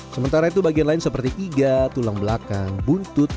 sementara itu bagian lain seperti iga tulang belakang buntut